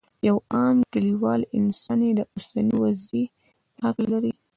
یو عام کلیوال انسان یې د اوسنۍ وضعې په هکله لري.